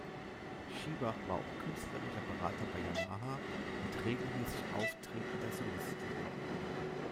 Chiba war auch künstlerischer Berater bei Yamaha und regelmäßig auftretender Solist.